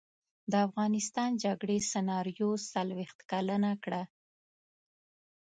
د افغانستان جګړې سناریو څلویښت کلنه کړه.